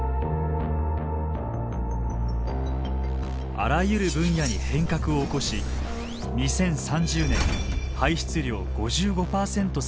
あらゆる分野に変革を起こし２０３０年排出量５５％削減を目指しています。